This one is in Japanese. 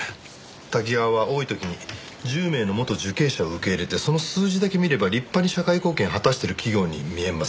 タキガワは多い時に１０名の元受刑者を受け入れてその数字だけ見れば立派に社会貢献を果たしている企業に見えます。